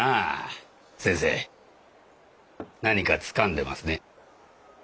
先生何かつかんでますね？